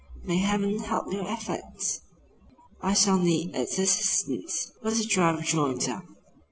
"May Heaven help your efforts!" "I shall need its assistance," was the dry rejoinder.